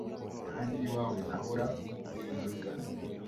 kandi iwawe hahora inzora.